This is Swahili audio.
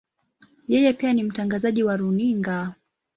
Yeye pia ni mtangazaji wa runinga.